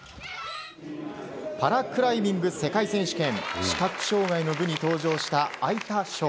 パラクライミング世界選手権視覚障害の部に登場した會田祥。